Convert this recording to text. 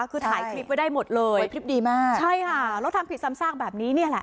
คือถ่ายคลิปไว้ได้หมดเลยคลิปดีมากใช่ค่ะแล้วทำผิดซ้ำซากแบบนี้เนี่ยแหละ